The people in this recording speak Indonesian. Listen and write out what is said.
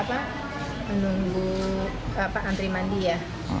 menunggu antri mandi ya